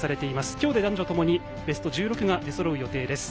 今日で男女ともにベスト１６が出そろう予定です。